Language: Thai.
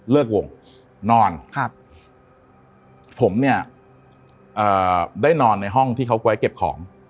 วงนอนครับผมเนี่ยเอ่อได้นอนในห้องที่เขาไว้เก็บของ